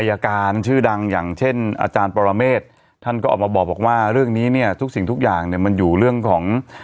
อายการชื่อดังอย่างเช่นอาจารย์ปรเมฆท่านก็ออกมาบอกว่าเรื่องนี้เนี่ยทุกสิ่งทุกอย่างเนี่ยมันอยู่เรื่องของ